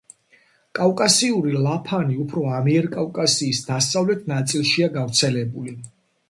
კავკასიური ლაფანი უფრო ამიერკავკასიის დასავლეთ ნაწილშია გავრცელებული.